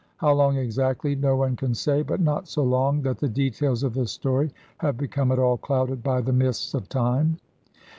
How long exactly no one can say, but not so long that the details of the story have become at all clouded by the mists of time.